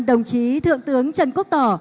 đồng chí thượng tướng trần quốc tỏ